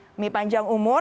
ini dia mie panjang umur